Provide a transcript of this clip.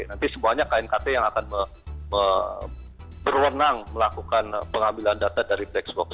nanti semuanya knkt yang akan berwenang melakukan pengambilan data dari black box